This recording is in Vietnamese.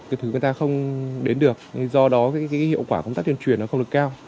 cái thứ người ta không đến được do đó hiệu quả công tác tuyên truyền không được cao